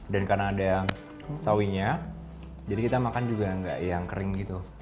dan karena ada sawinya jadi kita makan juga gak yang kering gitu